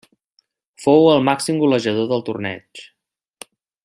Fou el màxim golejador del torneig.